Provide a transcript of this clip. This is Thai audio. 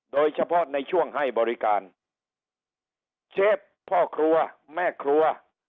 โดยเฉพาะในช่วงให้บริการเชฟพ่อครัวแม่ครัว